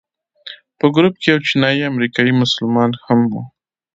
په ګروپ کې یو چینایي امریکایي مسلمان هم و.